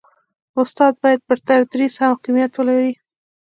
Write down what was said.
استاد باید پر تدریس حاکمیت ولري.